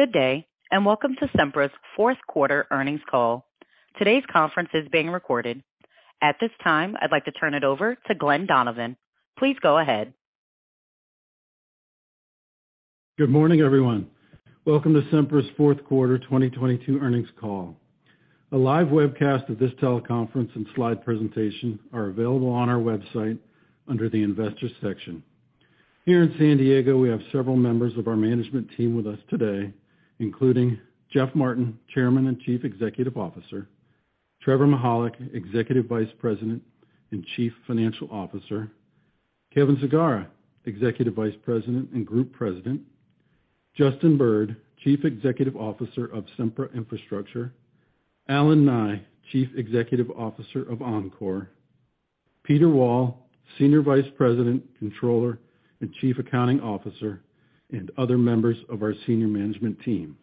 Good day, and welcome to Sempra's fourth quarter earnings call. Today's conference is being recorded. At this time, I'd like to turn it over to Glen Donovan. Please go ahead. Good morning, everyone. Welcome to Sempra's fourth quarter 2022 earnings call. A live webcast of this teleconference and slide presentation are available on our website under the Investors section. Here in San Diego, we have several members of our management team with us today, including Jeff Martin, Chairman and Chief Executive Officer. Trevor Mihalik, Executive Vice President and Chief Financial Officer. Kevin C. Sagara, Executive Vice President and Group President. Justin Bird, Chief Executive Officer of Sempra Infrastructure. Allen Nye, Chief Executive Officer of Oncor. Peter R. Wall, Senior Vice President, Controller, and Chief Accounting Officer, and other members of our senior management team.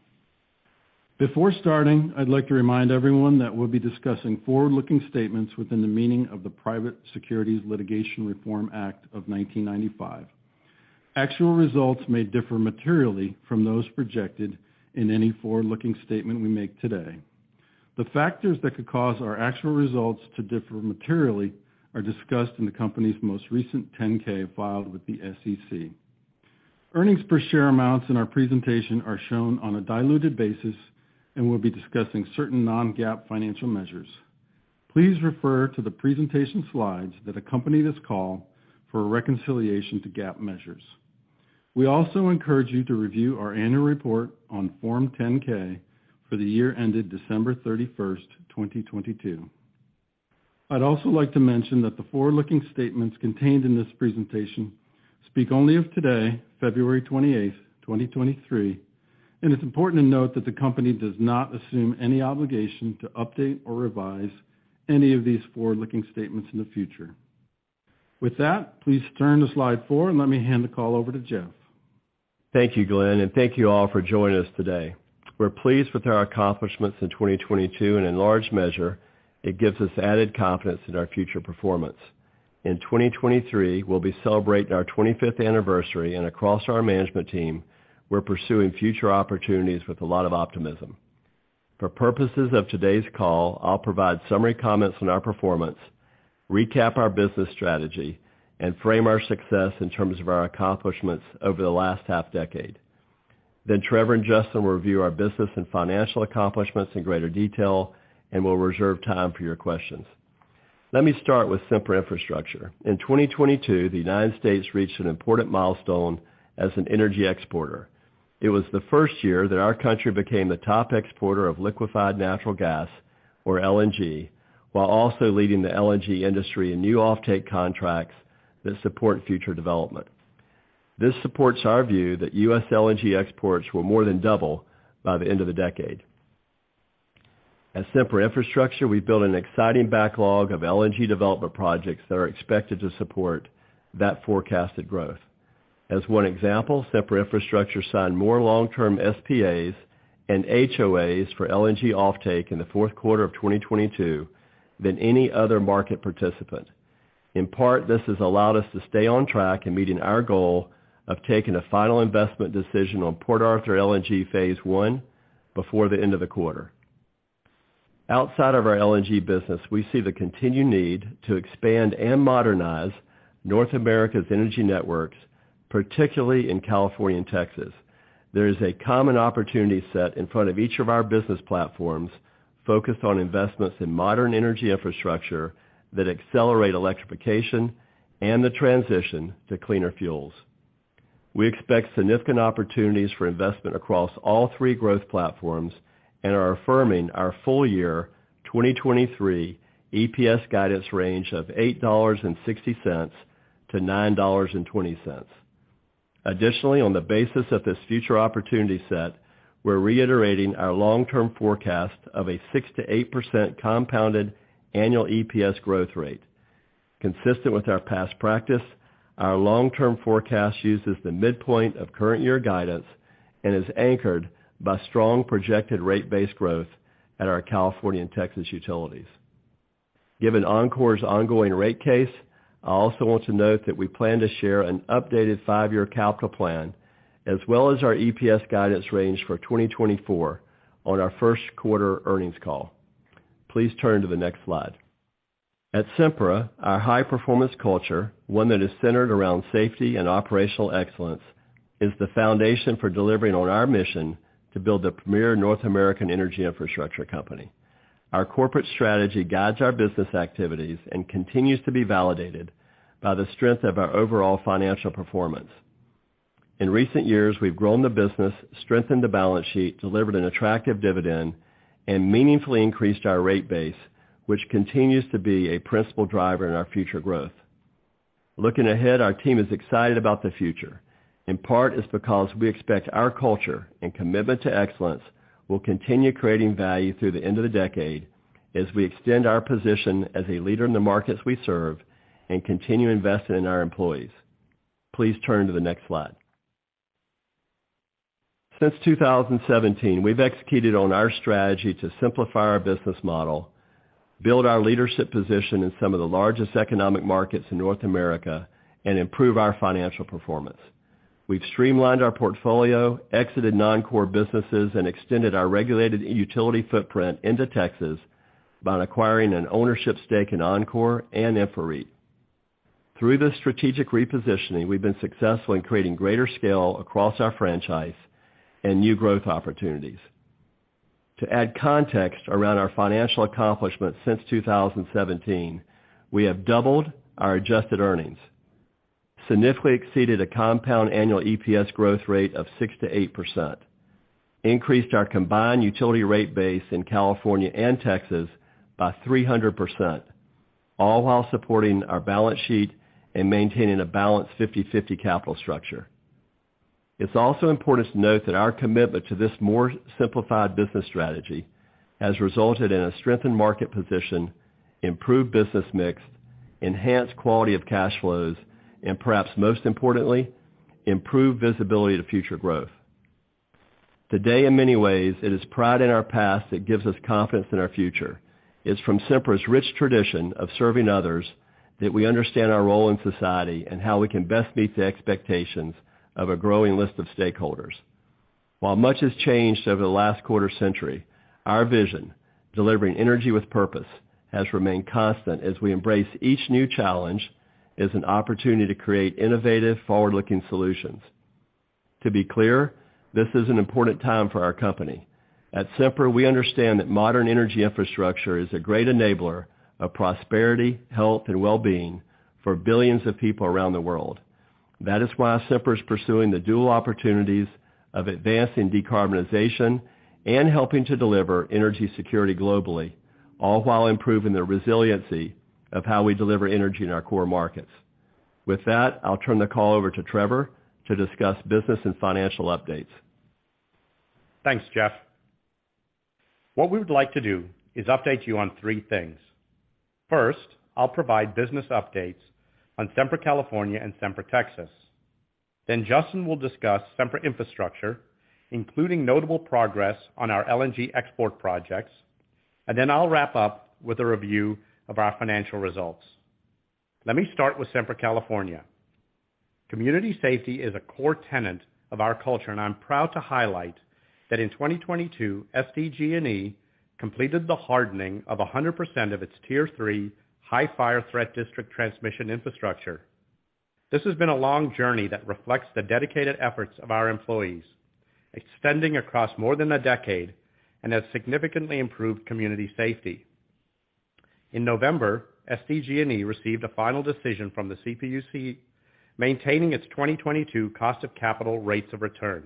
Before starting, I'd like to remind everyone that we'll be discussing forward-looking statements within the meaning of the Private Securities Litigation Reform Act of 1995. Actual results may differ materially from those projected in any forward-looking statement we make today. The factors that could cause our actual results to differ materially are discussed in the company's most recent 10-K filed with the SEC. Earnings per share amounts in our presentation are shown on a diluted basis, and we'll be discussing certain non-GAAP financial measures. Please refer to the presentation slides that accompany this call for a reconciliation to GAAP measures. We also encourage you to review our annual report on Form 10-K for the year ended December 31st, 2022. I'd also like to mention that the forward-looking statements contained in this presentation speak only of today, February 28th, 2023, and it's important to note that the company does not assume any obligation to update or revise any of these forward-looking statements in the future. With that, please turn to slide four and let me hand the call over to Jeff. Thank you, Glen, thank you all for joining us today. We're pleased with our accomplishments in 2022, in large measure, it gives us added confidence in our future performance. In 2023, we'll be celebrating our 25th anniversary, across our management team, we're pursuing future opportunities with a lot of optimism. For purposes of today's call, I'll provide summary comments on our performance, recap our business strategy, frame our success in terms of our accomplishments over the last half-decade. Trevor and Justin will review our business and financial accomplishments in greater detail, we'll reserve time for your questions. Let me start with Sempra Infrastructure. In 2022, the U.S. reached an important milestone as an energy exporter. It was the first year that our country became the top exporter of liquefied natural gas or LNG, while also leading the LNG industry in new offtake contracts that support future development. This supports our view that U.S. LNG exports will more than double by the end of the decade. At Sempra Infrastructure, we've built an exciting backlog of LNG development projects that are expected to support that forecasted growth. As one example, Sempra Infrastructure signed more long-term SPAs and HOAs for LNG offtake in the fourth quarter of 2022 than any other market participant. In part, this has allowed us to stay on track in meeting our goal of taking a final investment decision on Port Arthur LNG phase I before the end of the quarter. Outside of our LNG business, we see the continued need to expand and modernize North America's energy networks, particularly in California and Texas. There is a common opportunity set in front of each of our business platforms focused on investments in modern energy infrastructure that accelerate electrification and the transition to cleaner fuels. We expect significant opportunities for investment across all three growth platforms and are affirming our full year 2023 EPS guidance range of $8.60-$9.20. On the basis of this future opportunity set, we're reiterating our long-term forecast of a 6%-8% compounded annual EPS growth rate. Consistent with our past practice, our long-term forecast uses the midpoint of current year guidance and is anchored by strong projected rate-based growth at our California and Texas utilities. Given Oncor's ongoing rate case, I also want to note that we plan to share an updated five-year capital plan, as well as our EPS guidance range for 2024 on our first quarter earnings call. Please turn to the next slide. At Sempra, our high-performance culture, one that is centered around safety and operational excellence, is the foundation for delivering on our mission to build a premier North American energy infrastructure company. Our corporate strategy guides our business activities and continues to be validated by the strength of our overall financial performance. In recent years, we've grown the business, strengthened the balance sheet, delivered an attractive dividend, and meaningfully increased our rate base, which continues to be a principal driver in our future growth. Looking ahead, our team is excited about the future. In part, it's because we expect our culture and commitment to excellence will continue creating value through the end of the decade as we extend our position as a leader in the markets we serve and continue investing in our employees. Please turn to the next slide. Since 2017, we've executed on our strategy to simplify our business model-Build our leadership position in some of the largest economic markets in North America and improve our financial performance. We've streamlined our portfolio, exited non-core businesses, and extended our regulated utility footprint into Texas by acquiring an ownership stake in Oncor and InfraREIT. Through this strategic repositioning, we've been successful in creating greater scale across our franchise and new growth opportunities. To add context around our financial accomplishments since 2017, we have doubled our adjusted earnings, significantly exceeded a compounded annual EPS growth rate of 6%-8%, increased our combined utility rate base in California and Texas by 300%, all while supporting our balance sheet and maintaining a balanced 50/50 capital structure. It's also important to note that our commitment to this more simplified business strategy has resulted in a strengthened market position, improved business mix, enhanced quality of cash flows, and perhaps most importantly, improved visibility to future growth. Today, in many ways, it is pride in our past that gives us confidence in our future. It's from Sempra's rich tradition of serving others that we understand our role in society and how we can best meet the expectations of a growing list of stakeholders. While much has changed over the last quarter century, our vision, delivering energy with purpose, has remained constant as we embrace each new challenge as an opportunity to create innovative, forward-looking solutions. To be clear, this is an important time for our company. At Sempra, we understand that modern energy infrastructure is a great enabler of prosperity, health, and well-being for billions of people around the world. That is why Sempra is pursuing the dual opportunities of advancing decarbonization and helping to deliver energy security globally, all while improving the resiliency of how we deliver energy in our core markets. With that, I'll turn the call over to Trevor to discuss business and financial updates. Thanks, Jeff. What we would like to do is update you on 3 things. First, I'll provide business updates on Sempra California and Sempra Texas. Justin will discuss Sempra Infrastructure, including notable progress on our LNG export projects. I'll wrap up with a review of our financial results. Let me start with Sempra California. Community safety is a core tenet of our culture, and I'm proud to highlight that in 2022, SDG&E completed the hardening of 100% of its Tier 3 high fire threat district transmission infrastructure. This has been a long journey that reflects the dedicated efforts of our employees, extending across more than a decade and has significantly improved community safety. In November, SDG&E received a final decision from the CPUC maintaining its 2022 cost of capital rates of return.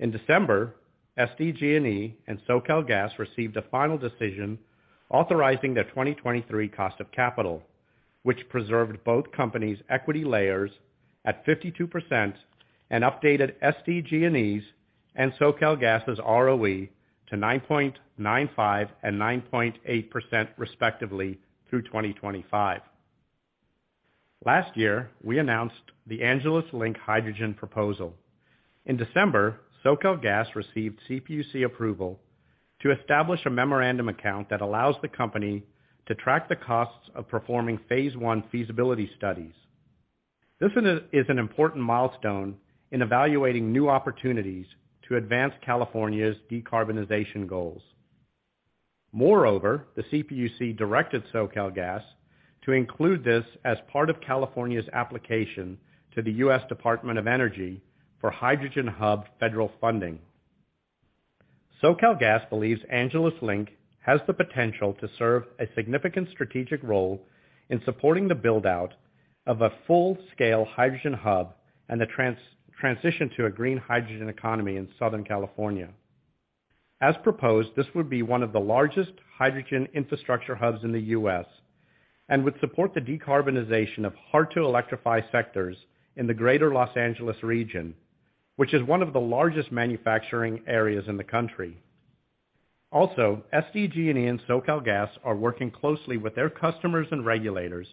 In December, SDG&E and SoCalGas received a final decision authorizing their 2023 cost of capital, which preserved both companies' equity layers at 52% and updated SDG&E's and SoCalGas' ROE to 9.95% and 9.8% respectively through 2025. Last year, we announced the Angeles Link hydrogen proposal. In December, SoCalGas received CPUC approval to establish a memorandum account that allows the company to track the costs of performing phase I feasibility studies. This is an important milestone in evaluating new opportunities to advance California's decarbonization goals. The CPUC directed SoCalGas to include this as part of California's application to the U.S. Department of Energy for Hydrogen Hub federal funding. SoCalGas believes Angeles Link has the potential to serve a significant strategic role in supporting the build-out of a full-scale Hydrogen Hub and the transition to a green hydrogen economy in Southern California. As proposed, this would be one of the largest hydrogen infrastructure hubs in the U.S. and would support the decarbonization of hard-to-electrify sectors in the Greater Los Angeles region, which is one of the largest manufacturing areas in the country. SDG&E and SoCalGas are working closely with their customers and regulators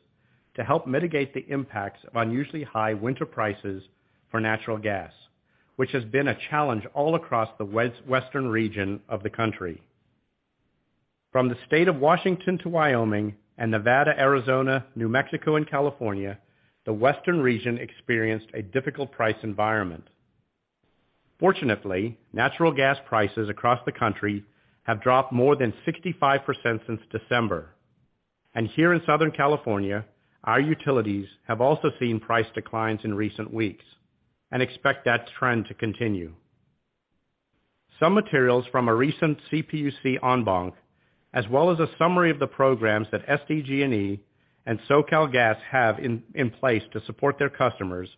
to help mitigate the impacts of unusually high winter prices for natural gas, which has been a challenge all across the western region of the country. From the state of Washington to Wyoming and Nevada, Arizona, New Mexico, and California, the Western region experienced a difficult price environment. Fortunately, natural gas prices across the country have dropped more than 65% since December. Here in Southern California, our utilities have also seen price declines in recent weeks and expect that trend to continue. Some materials from a recent CPUC en banc, as well as a summary of the programs that SDG&E and SoCalGas have in place to support their customers,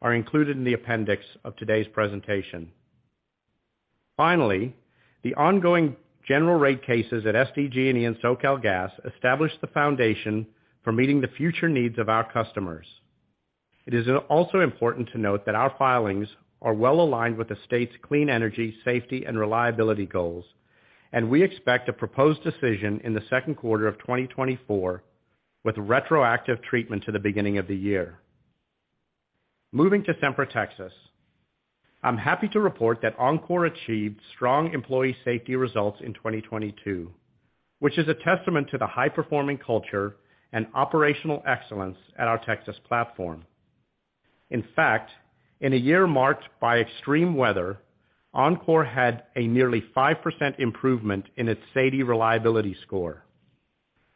are included in the appendix of today's presentation. Finally, the ongoing general rate cases at SDG&E and SoCalGas established the foundation for meeting the future needs of our customers. It is also important to note that our filings are well-aligned with the state's clean energy, safety, and reliability goals, and we expect a proposed decision in the second quarter of 2024 with retroactive treatment to the beginning of the year. Moving to Sempra Texas. I'm happy to report that Oncor achieved strong employee safety results in 2022, which is a testament to the high-performing culture and operational excellence at our Texas platform. In fact, in a year marked by extreme weather, Oncor had a nearly 5% improvement in its SAIDI reliability score.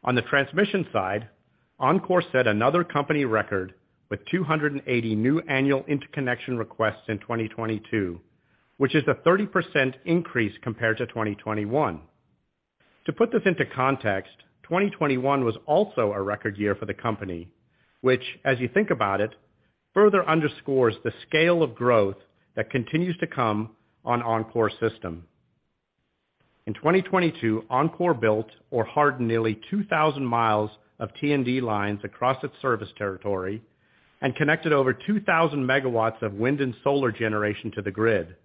On the transmission side, Oncor set another company record with 280 new annual interconnection requests in 2022, which is a 30% increase compared to 2021. To put this into context, 2021 was also a record year for the company, which, as you think about it, further underscores the scale of growth that continues to come on Oncor system. In 2022, Oncor built or hardened nearly 2,000 mi of T&D lines across its service territory and connected over 2,000 MW of wind and solar generation to the grid.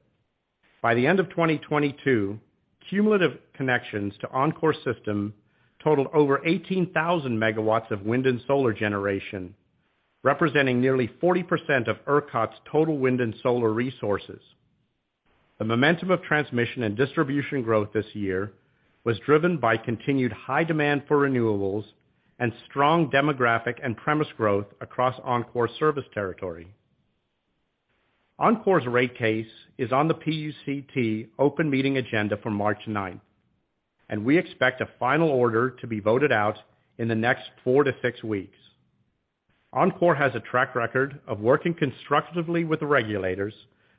By the end of 2022, cumulative connections to Oncor system totaled over 18,000 MW of wind and solar generation, representing nearly 40% of ERCOT's total wind and solar resources. The momentum of transmission and distribution growth this year was driven by continued high demand for renewables and strong demographic and premise growth across Oncor service territory. Oncor's rate case is on the PUCT open meeting agenda for March 9th, and we expect a final order to be voted out in the next four weeks-six weeks. Oncor has a track record of working constructively with the regulators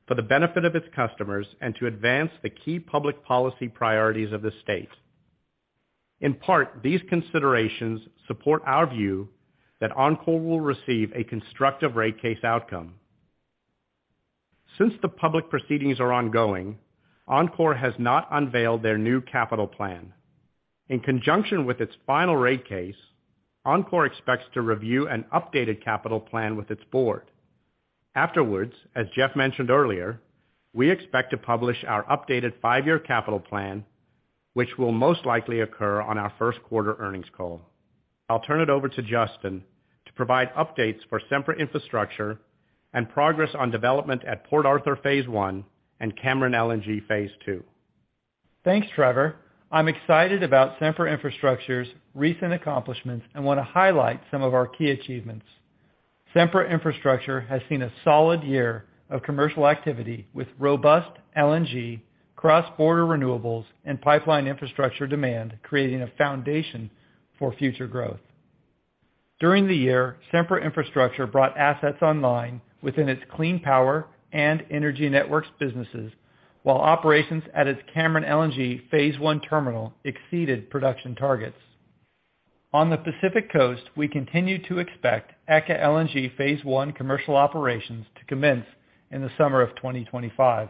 for the benefit of its customers and to advance the key public policy priorities of the state. In part, these considerations support our view that Oncor will receive a constructive rate case outcome. Since the public proceedings are ongoing, Oncor has not unveiled their new capital plan. In conjunction with its final rate case, Oncor expects to review an updated capital plan with its board. Afterwards, as Jeff mentioned earlier, we expect to publish our updated five-year capital plan, which will most likely occur on our first quarter earnings call. I'll turn it over to Justin to provide updates for Sempra Infrastructure and progress on development at Port Arthur phase I and Cameron LNG phase II. Thanks, Trevor. I'm excited about Sempra Infrastructure's recent accomplishments and want to highlight some of our key achievements. Sempra Infrastructure has seen a solid year of commercial activity with robust LNG, cross-border renewables, and pipeline infrastructure demand, creating a foundation for future growth. During the year, Sempra Infrastructure brought assets online within its clean power and energy networks businesses, while operations at its Cameron LNG phase I terminal exceeded production targets. On the Pacific Coast, we continue to expect ECA LNG phase I commercial operations to commence in the summer of 2025.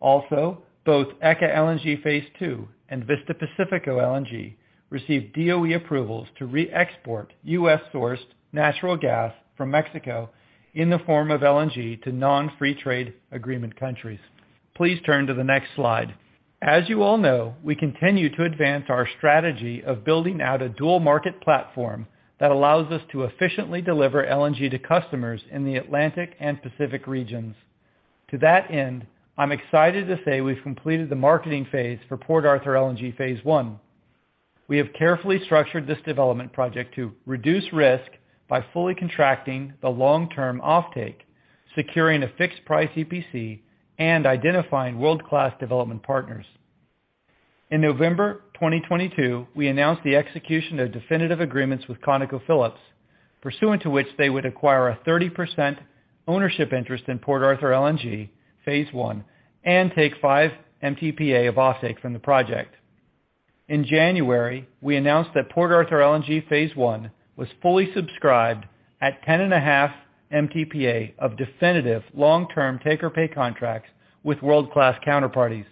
Also, both ECA LNG phase II and Vista Pacífico LNG received DOE approvals to re-export U.S.-sourced natural gas from Mexico in the form of LNG to non-free trade agreement countries. Please turn to the next slide. As you all know, we continue to advance our strategy of building out a dual market platform that allows us to efficiently deliver LNG to customers in the Atlantic and Pacific regions. To that end, I'm excited to say we've completed the marketing phase for Port Arthur LNG phase I. We have carefully structured this development project to reduce risk by fully contracting the long-term offtake, securing a fixed-price EPC, and identifying world-class development partners. In November 2022, we announced the execution of definitive agreements with ConocoPhillips, pursuant to which they would acquire a 30% ownership interest in Port Arthur LNG phase I and take five Mtpa of offtake from the project. In January, we announced that Port Arthur LNG phase I was fully subscribed at 10.5 Mtpa of definitive long-term take-or-pay contracts with world-class counterparties.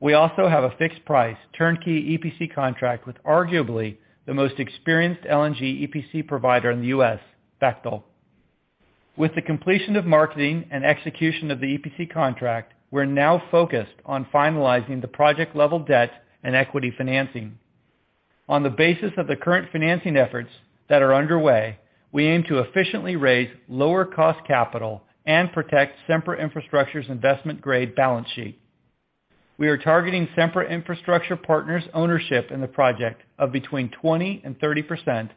We also have a fixed price turnkey EPC contract with arguably the most experienced LNG EPC provider in the U.S., Bechtel. With the completion of marketing and execution of the EPC contract, we're now focused on finalizing the project-level debt and equity financing. On the basis of the current financing efforts that are underway, we aim to efficiently raise lower cost capital and protect Sempra Infrastructure's investment-grade balance sheet. We are targeting Sempra Infrastructure Partners' ownership in the project of between 20% and 30%,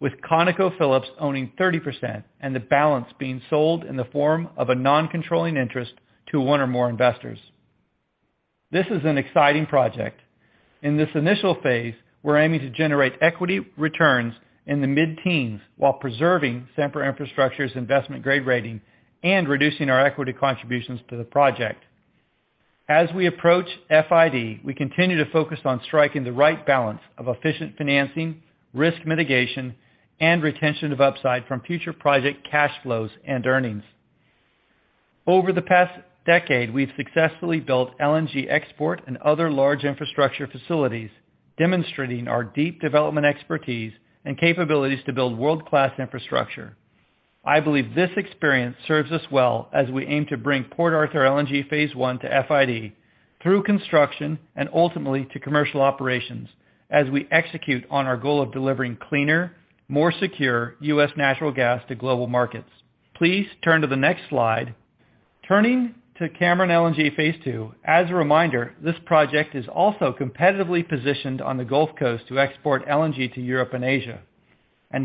with ConocoPhillips owning 30% and the balance being sold in the form of a non-controlling interest to one or more investors. This is an exciting project. In this initial phase, we're aiming to generate equity returns in the mid-teens while preserving Sempra Infrastructure's investment-grade rating and reducing our equity contributions to the project. As we approach FID, we continue to focus on striking the right balance of efficient financing, risk mitigation, and retention of upside from future project cash flows and earnings. Over the past decade, we've successfully built LNG export and other large infrastructure facilities, demonstrating our deep development expertise and capabilities to build world-class infrastructure. I believe this experience serves us well as we aim to bring Port Arthur LNG phase I to FID. Through construction and ultimately to commercial operations as we execute on our goal of delivering cleaner, more secure U.S. natural gas to global markets. Please turn to the next slide. Turning to Cameron LNG phase II. As a reminder, this project is also competitively positioned on the Gulf Coast to export LNG to Europe and Asia.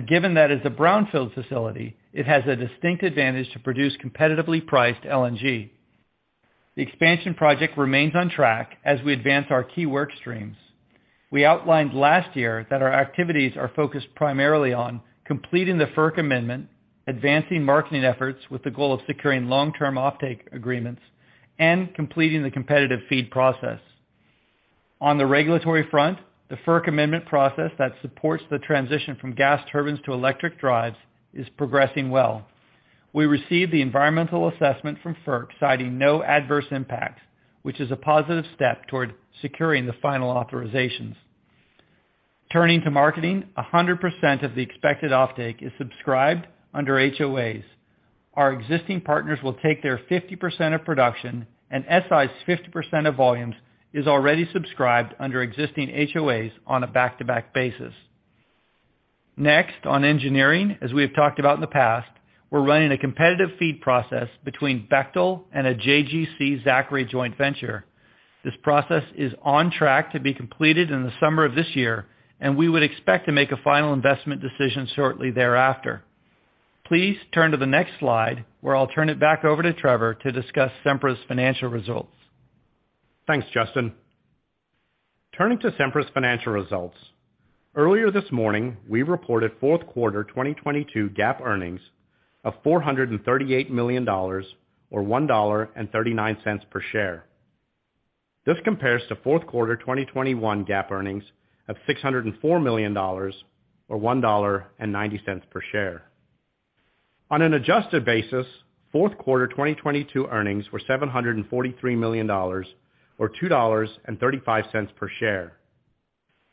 Given that as a brownfield facility, it has a distinct advantage to produce competitively priced LNG. The expansion project remains on track as we advance our key work streams. We outlined last year that our activities are focused primarily on completing the FERC amendment, advancing marketing efforts with the goal of securing long-term offtake agreements, and completing the competitive FEED process. On the regulatory front, the FERC amendment process that supports the transition from gas turbines to electric drives is progressing well. We received the environmental assessment from FERC, citing no adverse impacts, which is a positive step toward securing the final authorizations. Turning to marketing, 100% of the expected offtake is subscribed under HOAs. Our existing partners will take their 50% of production, and SI's 50% of volumes is already subscribed under existing HOAs on a back-to-back basis. Next, on engineering, as we have talked about in the past, we're running a competitive feed process between Bechtel and a JGC Zachry joint venture. This process is on track to be completed in the summer of this year. We would expect to make a final investment decision shortly thereafter. Please turn to the next slide, where I'll turn it back over to Trevor to discuss Sempra's financial results. Thanks, Justin. Turning to Sempra's financial results. Earlier this morning, we reported fourth quarter 2022 GAAP earnings of $438 million or $1.39 per share. This compares to fourth quarter 2021 GAAP earnings of $604 million or $1.90 per share. On an adjusted basis, fourth quarter 2022 earnings were $743 million or $2.35 per share.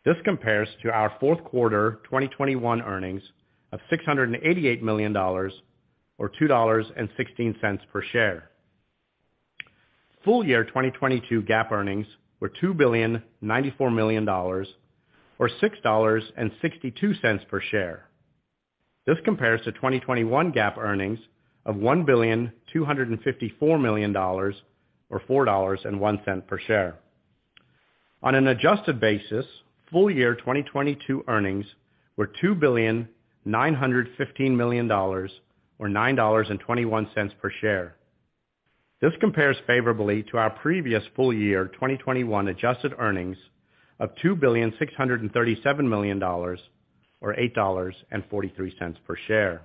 This compares to our fourth quarter 2021 earnings of $688 million or $2.16 per share. Full year 2022 GAAP earnings were $2.094 billion or $6.62 per share. This compares to 2021 GAAP earnings of $1.254 billion or $4.01 per share. On an adjusted basis, full year 2022 earnings were $2.915 billion or $9.21 per share. This compares favorably to our previous full year 2021 adjusted earnings of $2.637 billion or $8.43 per share.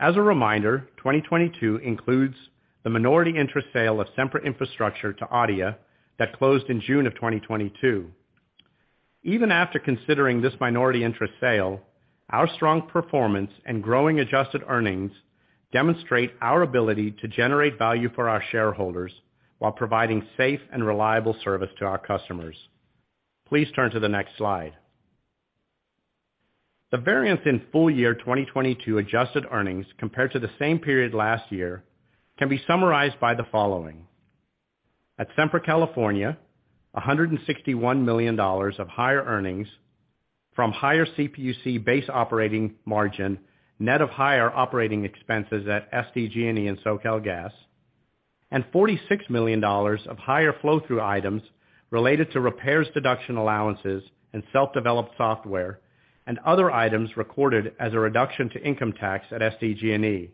As a reminder, 2022 includes the minority interest sale of Sempra Infrastructure to ADIA that closed in June of 2022. Even after considering this minority interest sale, our strong performance and growing adjusted earnings demonstrate our ability to generate value for our shareholders while providing safe and reliable service to our customers. Please turn to the next slide. The variance in full year 2022 adjusted earnings compared to the same period last year can be summarized by the following. At Sempra California, $161 million of higher earnings from higher CPUC base operating margin, net of higher operating expenses at SDG&E and SoCalGas, and $46 million of higher flow-through items related to repairs deduction allowances and self-developed software and other items recorded as a reduction to income tax at SDG&E.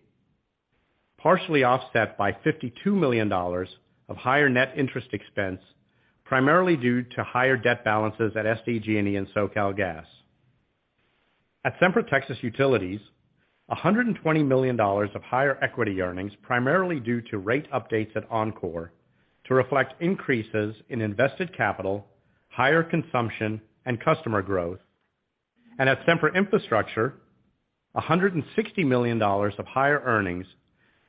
Partially offset by $52 million of higher net interest expense, primarily due to higher debt balances at SDG&E and SoCalGas. At Sempra Texas Utilities, $120 million of higher equity earnings, primarily due to rate updates at Oncor to reflect increases in invested capital, higher consumption and customer growth. At Sempra Infrastructure, $160 million of higher earnings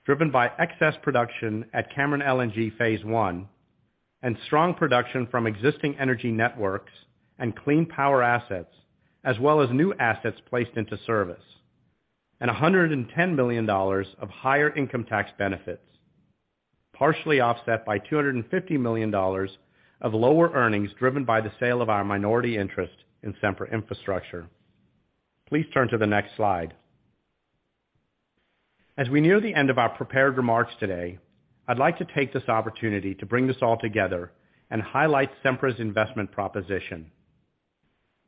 driven by excess production at Cameron LNG phase I and strong production from existing energy networks and clean power assets, as well as new assets placed into service, and $110 million of higher income tax benefits, partially offset by $250 million of lower earnings driven by the sale of our minority interest in Sempra Infrastructure. Please turn to the next slide. As we near the end of our prepared remarks today, I'd like to take this opportunity to bring this all together and highlight Sempra's investment proposition.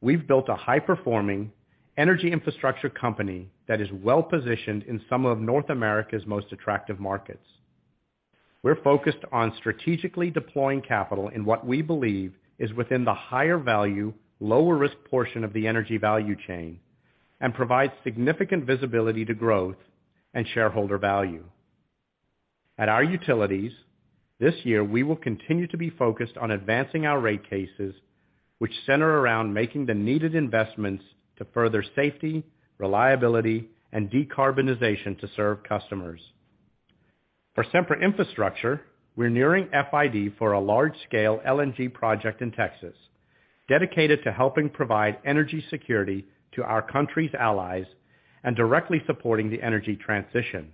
We've built a high-performing energy infrastructure company that is well-positioned in some of North America's most attractive markets. We're focused on strategically deploying capital in what we believe is within the higher value, lower risk portion of the energy value chain and provides significant visibility to growth and shareholder value. At our utilities, this year, we will continue to be focused on advancing our rate cases which center around making the needed investments to further safety, reliability, and decarbonization to serve customers. For Sempra Infrastructure, we're nearing FID for a large-scale LNG project in Texas. Dedicated to helping provide energy security to our country's allies and directly supporting the energy transition.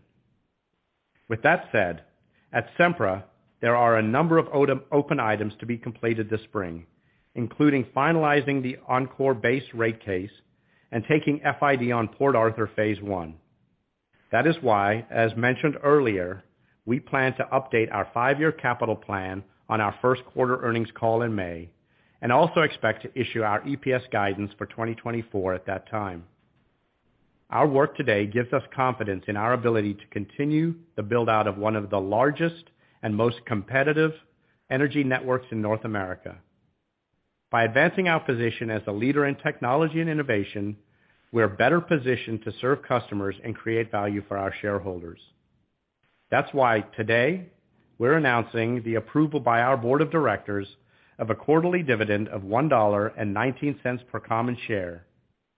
With that said, at Sempra, there are a number of open items to be completed this spring, including finalizing the Oncor base rate case and taking FID on Port Arthur phase I. That is why, as mentioned earlier, we plan to update our five-year capital plan on our first quarter earnings call in May and also expect to issue our EPS guidance for 2024 at that time. Our work today gives us confidence in our ability to continue the build-out of one of the largest and most competitive energy networks in North America. By advancing our position as the leader in technology and innovation, we're better positioned to serve customers and create value for our shareholders. That's why today we're announcing the approval by our board of directors of a quarterly dividend of $1.19 per common share,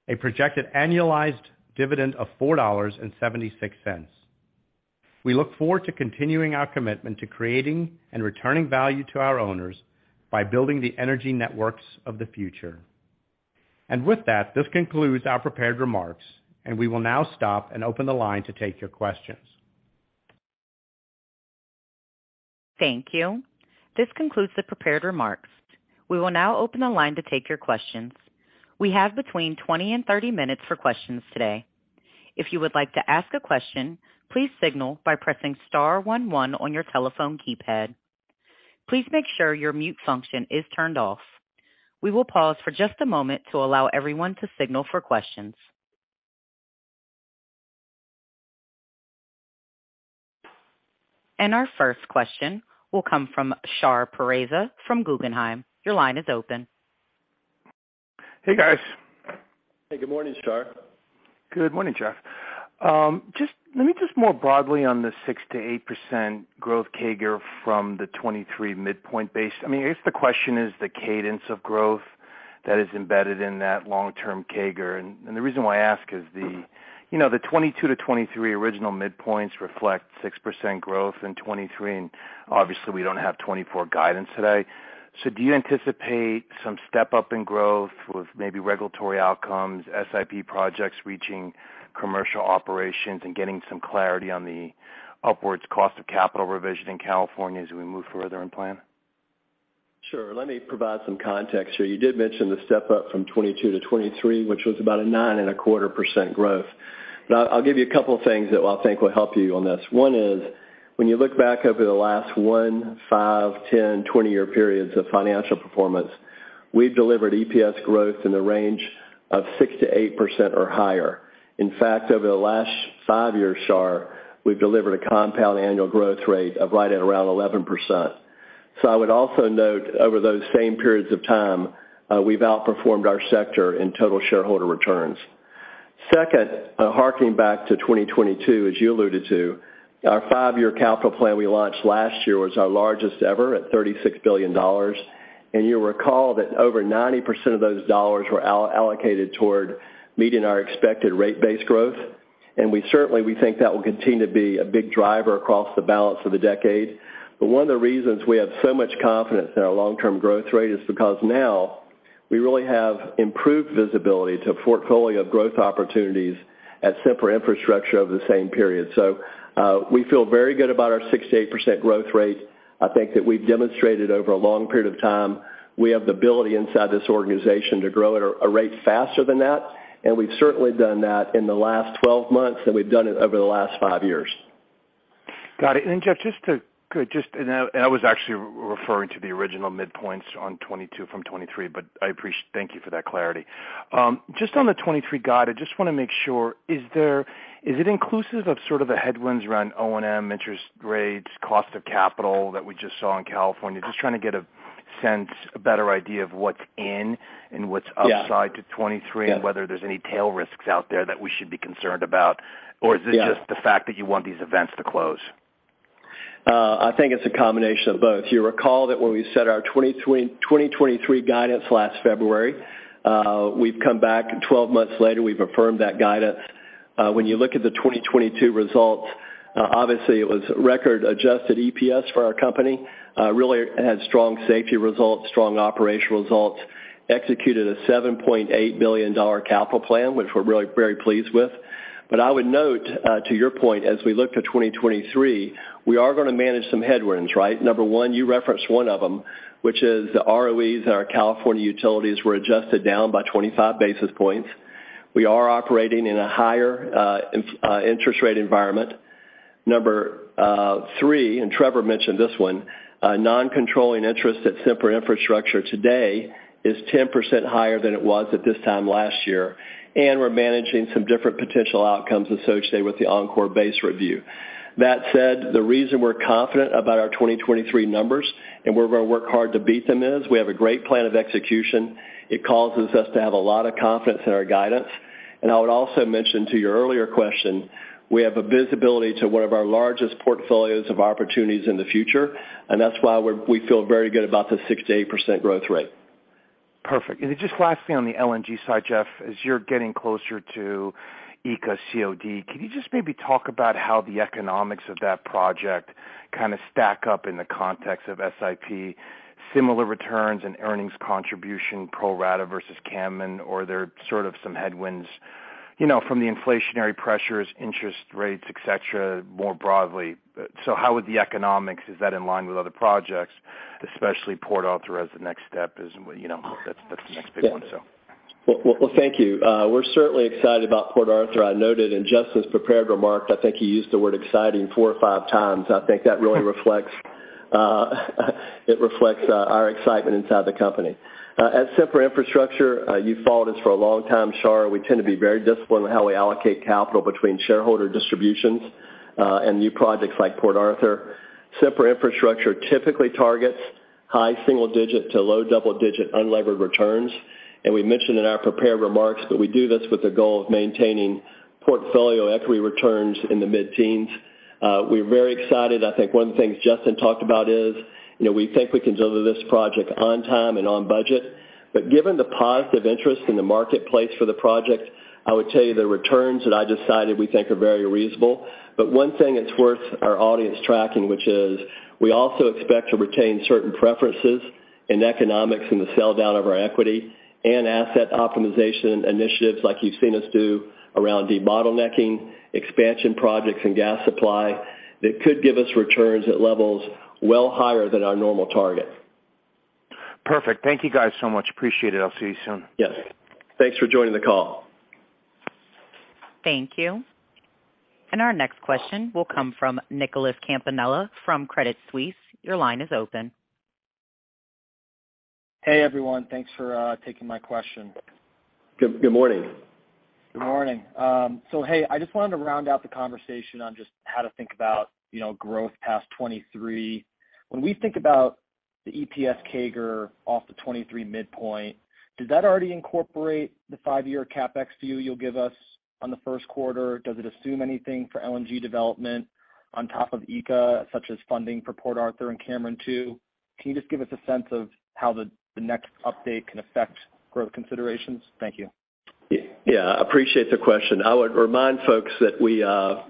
a projected annualized dividend of $4.76. We look forward to continuing our commitment to creating and returning value to our owners by building the energy networks of the future. With that, this concludes our prepared remarks, and we will now stop and open the line to take your questions. Thank you. This concludes the prepared remarks. We will now open the line to take your questions. We have between 20 and 30 minutes for questions today. If you would like to ask a question, please signal by pressing star one one on your telephone keypad. Please make sure your mute function is turned off. We will pause for just a moment to allow everyone to signal for questions. Our first question will come from Shar Pourreza from Guggenheim. Your line is open. Hey, guys. Hey, good morning, Shar. Good morning, Jeff. let me just more broadly on the 6%-8% growth CAGR from the 2023 midpoint base. I mean, I guess the question is the cadence of growth that is embedded in that long-term CAGR. The reason why I ask is the, you know, the 2022-2023 original midpoints reflect 6% growth in 2023, and obviously we don't have 2024 guidance today. So do you anticipate some step-up in growth with maybe regulatory outcomes, SIP projects reaching commercial operations and getting some clarity on the upward cost of capital revision in California as we move further in plan? Sure. Let me provide some context here. You did mention the step-up from 2022-2023, which was about a 9.25% growth. I'll give you a couple of things that I think will help you on this. One is, when you look back over the last one, five, 10, 20-year periods of financial performance, we've delivered EPS growth in the range of 6%-8% or higher. In fact, over the last five years, Shar, we've delivered a compounded annual growth rate of right at around 11%. I would also note over those same periods of time, we've outperformed our sector in total shareholder returns. Second, harking back to 2022, as you alluded to, our five-year capital plan we launched last year was our largest ever at $36 billion. You'll recall that over 90% of those dollars were allocated toward meeting our expected rate base growth. We certainly, we think that will continue to be a big driver across the balance of the decade. One of the reasons we have so much confidence in our long-term growth rate is because now we really have improved visibility to a portfolio of growth opportunities at Sempra Infrastructure over the same period. We feel very good about our 6%-8% growth rate. I think that we've demonstrated over a long period of time, we have the ability inside this organization to grow at a rate faster than that, and we've certainly done that in the last 12 months, and we've done it over the last five years. Got it. Jeff, and I was actually referring to the original midpoints on 2022 from 2023, I apprec-- thank you for that clarity. Just on the 2023 guide, I just wanna make sure, is it inclusive of sort of the headwinds around O&M, interest rates, cost of capital that we just saw in California? Just trying to get a sense, a better idea of what's in and what's upside to 2023 and whether there's any tail risks out there that we should be concerned about. Is it just the fact that you want these events to close? I think it's a combination of both. You recall that when we set our 2023 guidance last February, we've come back 12 months later, we've affirmed that guidance. When you look at the 2022 results, obviously, it was record-adjusted EPS for our company, really had strong safety results, strong operational results, executed a $7.8 billion capital plan, which we're really very pleased with. I would note, to your point, as we look to 2023, we are gonna manage some headwinds, right? Number one, you referenced one of them, which is the ROEs in our California utilities were adjusted down by 25 basis points. We are operating in a higher interest rate environment. Number three, Trevor mentioned this one, non-controlling interest at Sempra Infrastructure today is 10% higher than it was at this time last year, and we're managing some different potential outcomes associated with the Oncor base review. That said, the reason we're confident about our 2023 numbers and we're gonna work hard to beat them is we have a great plan of execution. It causes us to have a lot of confidence in our guidance. I would also mention to your earlier question, we have a visibility to one of our largest portfolios of opportunities in the future, and that's why we feel very good about the 6%-8% growth rate. Perfect. Just lastly on the LNG side, Jeff, as you're getting closer to ECA COD, can you just maybe talk about how the economics of that project kind of stack up in the context of SIP, similar returns and earnings contribution pro rata versus Cameron LNG, or there are sort of some headwinds, you know, from the inflationary pressures, interest rates, et cetera, more broadly? How would the economics, is that in line with other projects, especially Port Arthur as the next step is, you know, that's the next big one? Well, thank you. We're certainly excited about Port Arthur. I noted in Justin's prepared remarks, I think he used the word exciting four or five times. I think that really reflects, it reflects, our excitement inside the company. At Sempra Infrastructure, you've followed us for a long time, Shar, we tend to be very disciplined in how we allocate capital between shareholder distributions and new projects like Port Arthur. Sempra Infrastructure typically targets high single-digit to low double-digit unlevered returns. We mentioned in our prepared remarks that we do this with the goal of maintaining portfolio equity returns in the mid-teens. We're very excited. I think one of the things Justin talked about is, you know, we think we can deliver this project on time and on budget. Given the positive interest in the marketplace for the project, I would tell you the returns that I just cited, we think are very reasonable. One thing that's worth our audience tracking, which is we also expect to retain certain preferences in economics in the sell down of our equity and asset optimization initiatives like you've seen us do around debottlenecking expansion projects and gas supply that could give us returns at levels well higher than our normal target. Perfect. Thank you guys so much. Appreciate it. I'll see you soon. Yes. Thanks for joining the call. Thank you. Our next question will come from Nicholas Campanella from Credit Suisse. Your line is open. Hey, everyone. Thanks for taking my question. Good morning. Good morning. Hey, I just wanted to round out the conversation on just how to think about, you know, growth past 2023. When we think about the EPS CAGR off the 2023 midpoint, does that already incorporate the five-year CapEx view you'll give us on the first quarter? Does it assume anything for LNG development on top of ECA, such as funding for Port Arthur and Cameron II? Can you just give us a sense of how the next update can affect growth considerations? Thank you. Appreciate the question. I would remind folks that we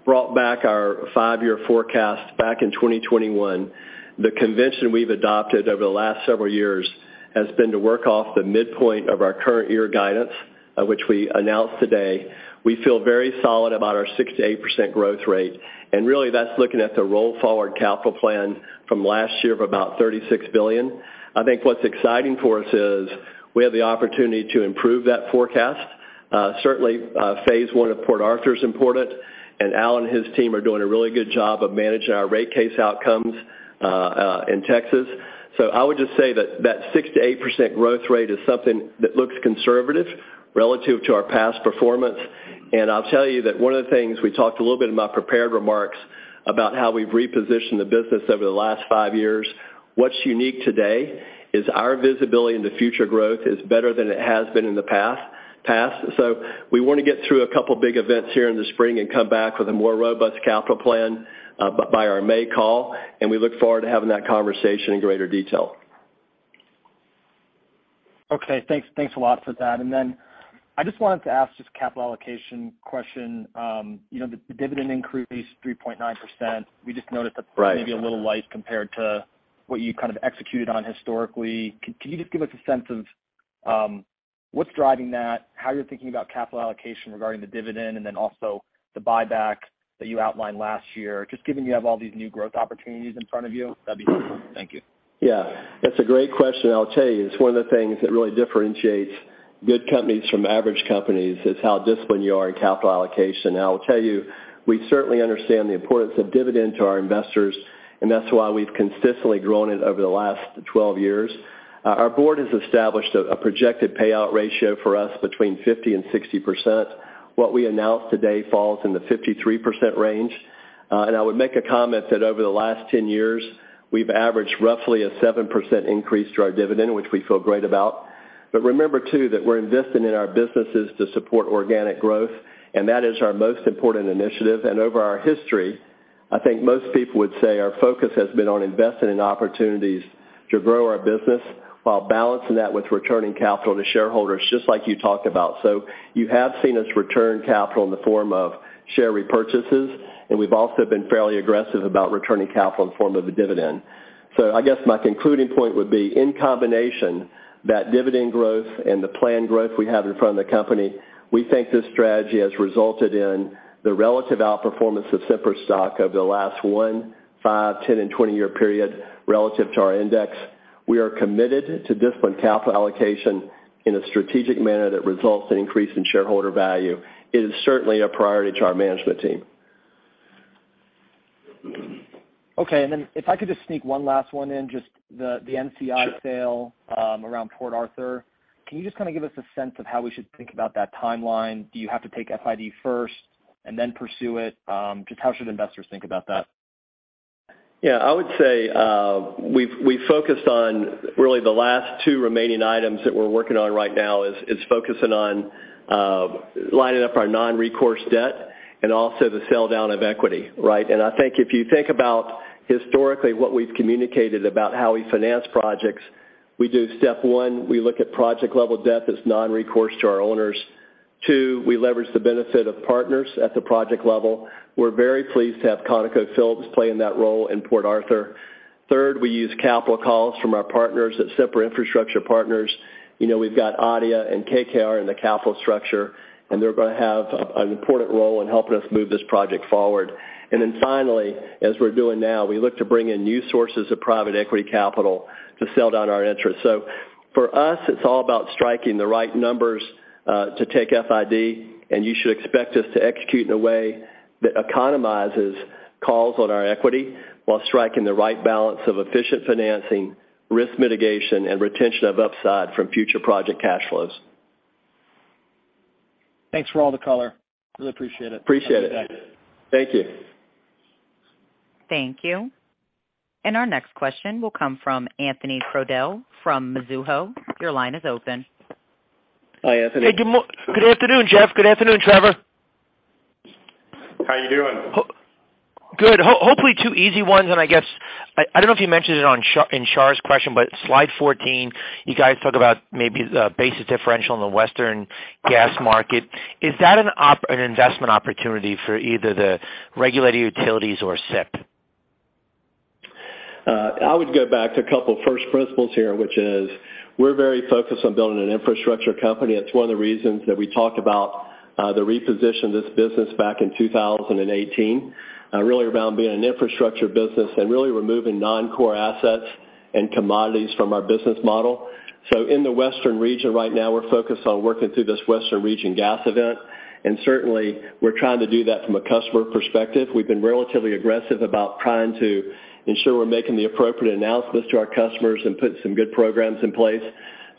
brought back our five-year forecast back in 2021. The convention we've adopted over the last several years has been to work off the midpoint of our current year guidance, which we announced today. We feel very solid about our 6%-8% growth rate, and really, that's looking at the roll forward capital plan from last year of about $36 billion. I think what's exciting for us is we have the opportunity to improve that forecast. Certainly, phase I of Port Arthur is important, and Al and his team are doing a really good job of managing our rate case outcomes in Texas. I would just say that that 6%-8% growth rate is something that looks conservative relative to our past performance. I'll tell you that one of the things we talked a little bit in my prepared remarks about how we've repositioned the business over the last five years. What's unique today is our visibility into future growth is better than it has been in the past. We want to get through a couple of big events here in the spring and come back with a more robust capital plan by our May call, and we look forward to having that conversation in greater detail. Okay, thanks. Thanks a lot for that. Then I just wanted to ask just a capital allocation question. you know, the dividend increase 3.9%. We just noted that. Right. -maybe a little light compared to what you kind of executed on historically. Can you just give us a sense of, what's driving that, how you're thinking about capital allocation regarding the dividend and then also the buyback that you outlined last year, just given you have all these new growth opportunities in front of you? That'd be great. Thank you. Yeah, that's a great question. I'll tell you, it's one of the things that really differentiates good companies from average companies, is how disciplined you are in capital allocation. I will tell you, we certainly understand the importance of dividend to our investors, and that's why we've consistently grown it over the last 12 years. Our board has established a projected payout ratio for us between 50% and 60%. What we announced today falls in the 53% range. I would make a comment that over the last 10 years, we've averaged roughly a 7% increase to our dividend, which we feel great about. Remember, too, that we're investing in our businesses to support organic growth, and that is our most important initiative. Over our history, I think most people would say our focus has been on investing in opportunities to grow our business while balancing that with returning capital to shareholders, just like you talked about. You have seen us return capital in the form of share repurchases, and we've also been fairly aggressive about returning capital in the form of a dividend. I guess my concluding point would be, in combination, that dividend growth and the planned growth we have in front of the company, we think this strategy has resulted in the relative outperformance of Sempra's stock over the last one, five, 10 and 20-year period relative to our index. We are committed to disciplined capital allocation in a strategic manner that results in increase in shareholder value. It is certainly a priority to our management team. Okay. If I could just sneak one last one in, just the NCI sale, around Port Arthur. Can you just kind of give us a sense of how we should think about that timeline? Do you have to take FID first and then pursue it? Just how should investors think about that? Yeah, I would say, we've focused on really the last two remaining items that we're working on right now is focusing on lining up our non-recourse debt and also the sell down of equity, right? I think if you think about historically what we've communicated about how we finance projects, we do step one, we look at project-level debt that's non-recourse to our owners. Two, we leverage the benefit of partners at the project level. We're very pleased to have ConocoPhillips playing that role in Port Arthur. Third, we use capital calls from our partners at Sempra Infrastructure Partners. You know, we've got ADIA and KKR in the capital structure, and they're gonna have an important role in helping us move this project forward. Finally, as we're doing now, we look to bring in new sources of private equity capital to sell down our interest. For us, it's all about striking the right numbers, to take FID. You should expect us to execute in a way that economizes calls on our equity while striking the right balance of efficient financing, risk mitigation, and retention of upside from future project cash flows. Thanks for all the color. Really appreciate it. Appreciate it. Thank you. Thank you. Our next question will come from Anthony Crowdell from Mizuho. Your line is open. Hi, Anthony. Hey, good afternoon, Jeff. Good afternoon, Trevor. How are you doing? Good. Hopefully, two easy ones. I guess I don't know if you mentioned it in Shar's question, but slide 14, you guys talk about maybe the basis differential in the Western gas market. Is that an investment opportunity for either the regulated utilities or Sempra? I would go back to a couple of first principles here, which is we're very focused on building an infrastructure company. It's one of the reasons that we talked about the reposition this business back in 2018, really around being an infrastructure business and really removing non-core assets and commodities from our business model. In the Western region right now, we're focused on working through this Western region gas event, and certainly we're trying to do that from a customer perspective. We've been relatively aggressive about trying to ensure we're making the appropriate announcements to our customers and put some good programs in place.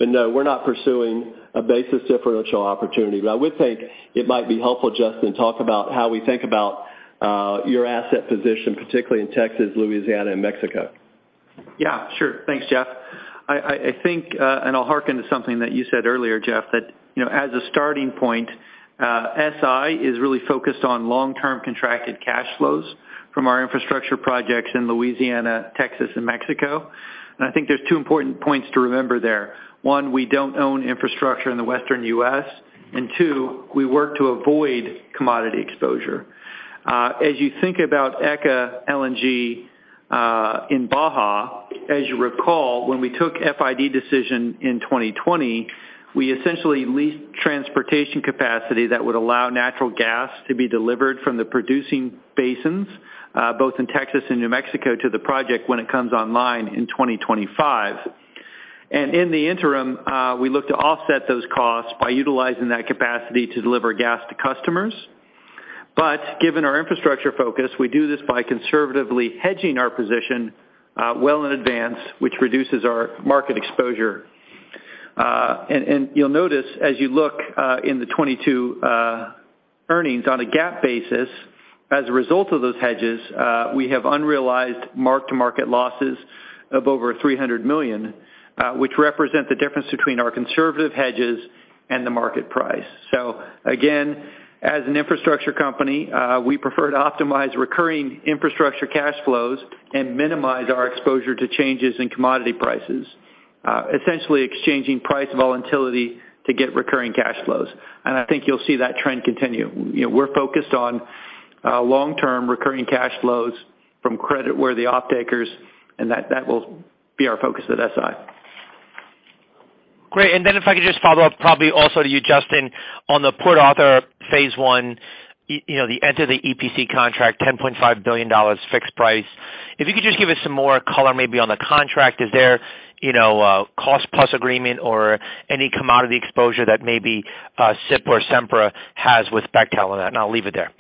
No, we're not pursuing a basis differential opportunity. I would say it might be helpful, Justin, to talk about how we think about your asset position, particularly in Texas, Louisiana, and Mexico. Yeah, sure. Thanks, Jeff. I think, I'll harken to something that you said earlier, Jeff, that, you know, as a starting point, SI is really focused on long-term contracted cash flows from our infrastructure projects in Louisiana, Texas, and Mexico. I think there's 2 important points to remember there. One, we don't own infrastructure in the Western U.S., and 2, we work to avoid commodity exposure. As you think about ECA LNG in Baja, as you recall, when we took FID decision in 2020, we essentially leased transportation capacity that would allow natural gas to be delivered from the producing basins, both in Texas and New Mexico, to the project when it comes online in 2025. In the interim, we look to offset those costs by utilizing that capacity to deliver gas to customers. Given our infrastructure focus, we do this by conservatively hedging our position, well in advance, which reduces our market exposure. You'll notice as you look, in the 2022 earnings on a GAAP basis, as a result of those hedges, we have unrealized mark-to-market losses of over $300 million, which represent the difference between our conservative hedges and the market price. Again, as an infrastructure company, we prefer to optimize recurring infrastructure cash flows and minimize our exposure to changes in commodity prices, essentially exchanging price volatility to get recurring cash flows. I think you'll see that trend continue. You know, we're focused on long-term recurring cash flows from creditworthy offtakers, and that will be our focus at SI. Great. If I could just follow up probably also to you, Justin, on the Port Arthur phase I, you know, the EPC contract, $10.5 billion fixed price. If you could just give us some more color maybe on the contract. Is there, you know, a cost plus agreement or any commodity exposure that maybe Sempra has with Bechtel on that? I'll leave it there.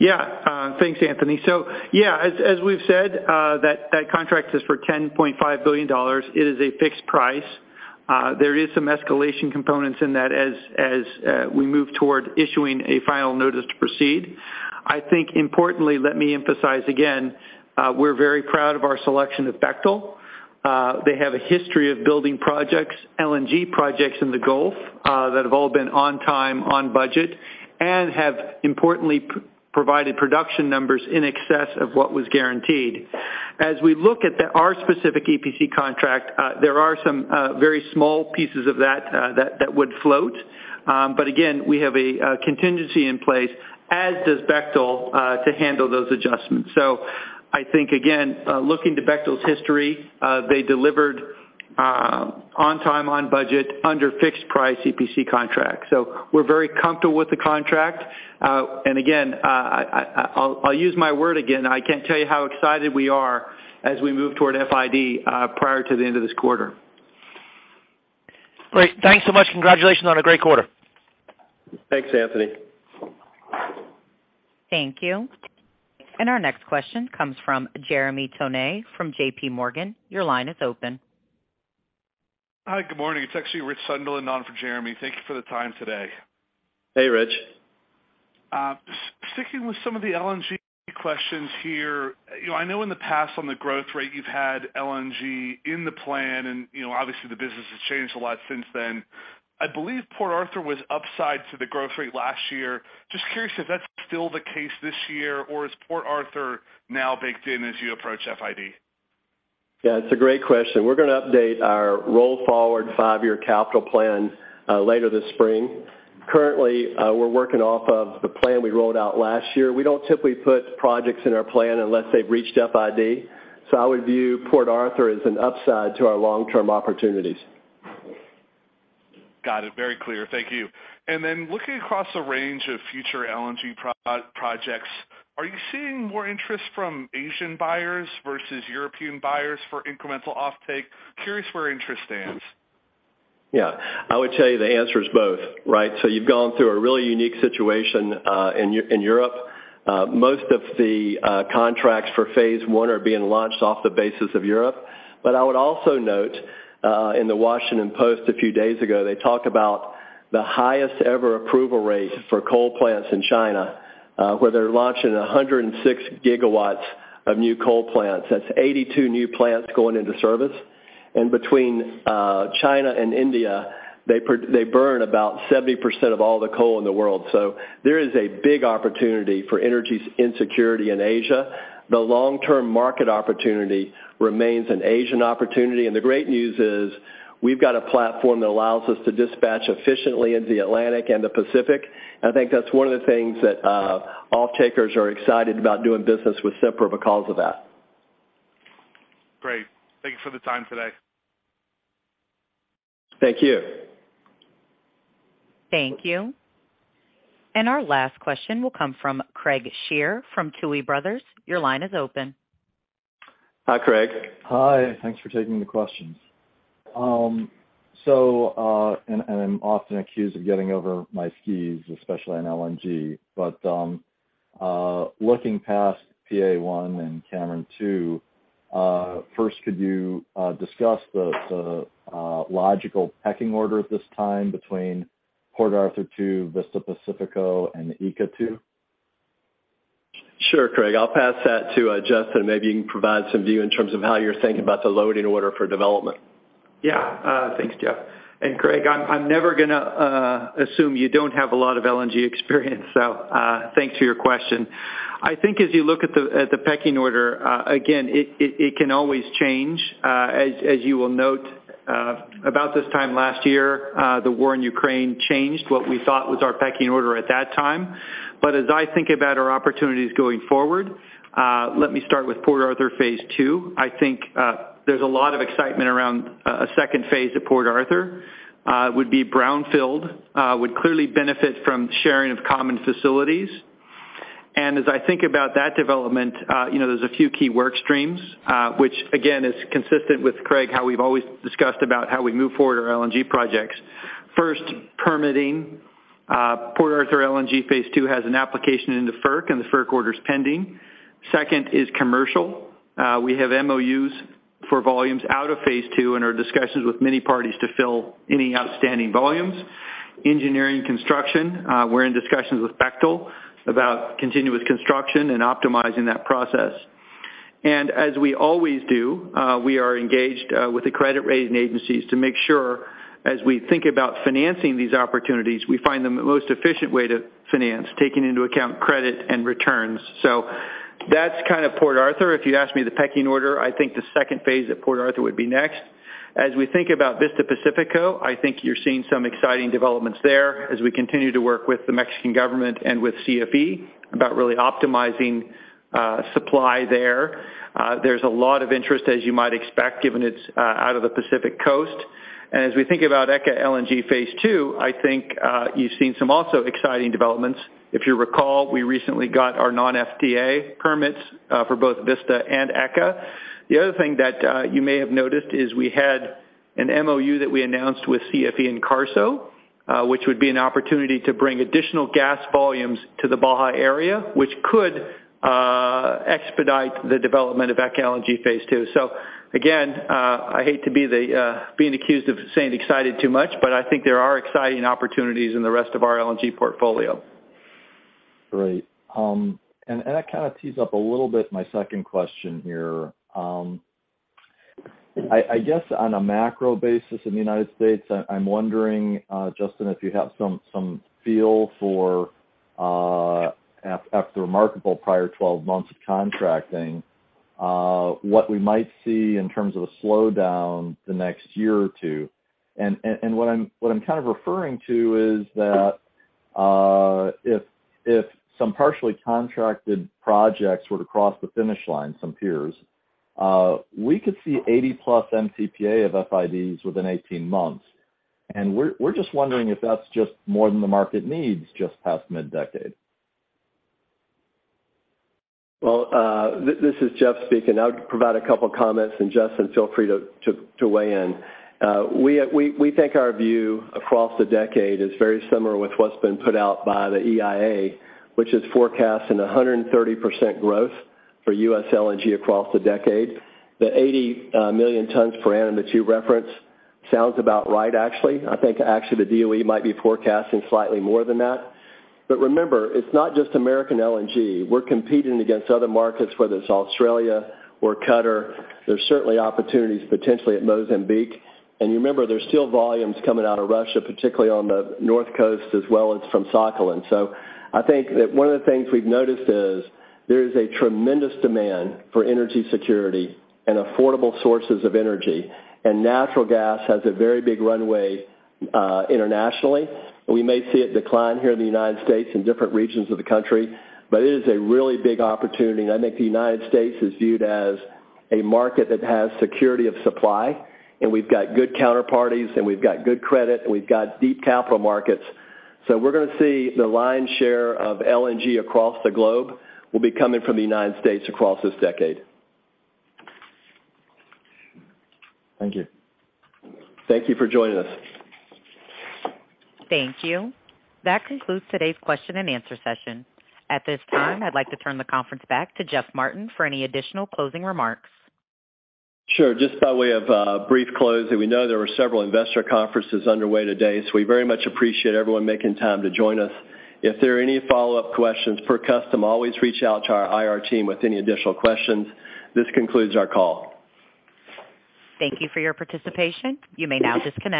Thanks, Anthony. As we've said, that contract is for $10.5 billion. It is a fixed price. There is some escalation components in that as we move toward issuing a final notice to proceed. I think importantly, let me emphasize again, we're very proud of our selection of Bechtel. They have a history of building projects, LNG projects in the Gulf, that have all been on time, on budget, and have importantly provided production numbers in excess of what was guaranteed. As we look at our specific EPC contract, there are some very small pieces of that that would float. Again, we have a contingency in place, as does Bechtel, to handle those adjustments. I think, again, looking to Bechtel's history, they delivered on time, on budget under fixed price EPC contract. We're very comfortable with the contract. Again, I'll use my word again. I can't tell you how excited we are as we move toward FID prior to the end of this quarter. Great. Thanks so much. Congratulations on a great quarter. Thanks, Anthony. Thank you. Our next question comes from Jeremy Tonet from JPMorgan. Your line is open. Hi. Good morning. It's actually Richard Sunderland in on for Jeremy. Thank you for the time today. Hey, Rich. Sticking with some of the LNG questions here. You know, I know in the past on the growth rate you've had LNG in the plan and, you know, obviously the business has changed a lot since then. I believe Port Arthur was upside to the growth rate last year. Just curious if that's still the case this year or is Port Arthur now baked in as you approach FID? It's a great question. We're gonna update our roll forward five-year capital plan later this spring. Currently, we're working off of the plan we rolled out last year. We don't typically put projects in our plan unless they've reached FID. I would view Port Arthur as an upside to our long-term opportunities. Got it. Very clear. Thank you. Looking across a range of future LNG projects, are you seeing more interest from Asian buyers versus European buyers for incremental offtake? Curious where interest stands. Yeah. I would tell you the answer is both, right? You've gone through a really unique situation in Europe. Most of the contracts for phase I are being launched off the basis of Europe. I would also note in The Washington Post a few days ago, they talk about the highest ever approval rate for coal plants in China, where they're launching 106 GW of new coal plants. That's 82 new plants going into service. Between China and India, they burn about 70% of all the coal in the world. There is a big opportunity for energy insecurity in Asia. The long-term market opportunity remains an Asian opportunity, and the great news is we've got a platform that allows us to dispatch efficiently in the Atlantic and the Pacific. I think that's one of the things that off-takers are excited about doing business with Sempra because of that. Great. Thank you for the time today. Thank you. Thank you. Our last question will come from Craig Shere from Guggenheim Partners. Your line is open. Hi, Craig. Hi. Thanks for taking the questions. I'm often accused of getting over my skis, especially on LNG, but, looking past PA I and Cameron II, first, could you discuss the logical pecking order at this time between Port Arthur phase II, Vista Pacífico, and ECA2? Sure, Craig. I'll pass that to Justin. Maybe you can provide some view in terms of how you're thinking about the loading order for development. Thanks, Jeff. Craig, I'm never gonna assume you don't have a lot of LNG experience, so thanks for your question. I think as you look at the, at the pecking order, again, it can always change. As you will note, about this time last year, the war in Ukraine changed what we thought was our pecking order at that time. I think about our opportunities going forward, let me start with Port Arthur phase II. I think there's a lot of excitement around a second phase at Port Arthur. It would be brownfield, would clearly benefit from sharing of common facilities. As I think about that development, you know, there's a few key work streams, which again, is consistent with Craig, how we've always discussed about how we move forward our LNG projects. First, permitting. Port Arthur LNG phase II has an application in the FERC, and the FERC order is pending. Second is commercial. We have MOUs for volumes out of phase II and are in discussions with many parties to fill any outstanding volumes. Engineering construction, we're in discussions with Bechtel about continuous construction and optimizing that process. As we always do, we are engaged with the credit rating agencies to make sure as we think about financing these opportunities, we find the most efficient way to finance, taking into account credit and returns. That's kind of Port Arthur. If you ask me the pecking order, I think the second phase at Port Arthur would be next. As we think about Vista Pacífico, I think you're seeing some exciting developments there as we continue to work with the Mexican government and with CFE about really optimizing supply there. There's a lot of interest, as you might expect, given it's out of the Pacific Coast. As we think about ECA LNG phase II, I think you've seen some also exciting developments. If you recall, we recently got our non-FTA permits for both Vista and ECA. The other thing that you may have noticed is we had an MOU that we announced with CFE and Carso, which would be an opportunity to bring additional gas volumes to the Baja area, which could expedite the development of ECA LNG phase II. Again, I hate to be the, being accused of saying excited too much, but I think there are exciting opportunities in the rest of our LNG portfolio. Great. That kind of tees up a little bit my second question here. I guess on a macro basis in the United States, I'm wondering Justin, if you have some feel for after the remarkable prior 12 months of contracting, what we might see in terms of a slowdown the next year or two. What I'm kind of referring to is that if some partially contracted projects were to cross the finish line, some peers, we could see 80+ Mtpa of FIDs within 18 months. We're just wondering if that's just more than the market needs just past mid-decade. Well, this is Jeff speaking. I would provide a couple comments, and Justin, feel free to weigh in. We think our view across the decade is very similar with what's been put out by the EIA, which is forecasting 130% growth for U.S. LNG across the decade. The 80 million tons per annum that you referenced sounds about right, actually. I think actually the DOE might be forecasting slightly more than that. Remember, it's not just American LNG. We're competing against other markets, whether it's Australia or Qatar. There's certainly opportunities potentially at Mozambique. Remember, there's still volumes coming out of Russia, particularly on the north coast as well as from Sakhalin. I think that one of the things we've noticed is there is a tremendous demand for energy security and affordable sources of energy, and natural gas has a very big runway internationally. We may see it decline here in the United States in different regions of the country, but it is a really big opportunity. I think the United States is viewed as a market that has security of supply, and we've got good counterparties and we've got good credit and we've got deep capital markets. We're gonna see the lion's share of LNG across the globe will be coming from the United States across this decade. Thank you. Thank you for joining us. Thank you. That concludes today's question and answer session. At this time, I'd like to turn the conference back to Jeff Martin for any additional closing remarks. Sure. Just by way of, brief close that we know there were several investor conferences underway today. We very much appreciate everyone making time to join us. If there are any follow-up questions, per custom, always reach out to our IR team with any additional questions. This concludes our call. Thank you for your participation. You may now disconnect.